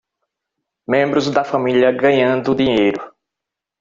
Membros da família ganhando dinheiro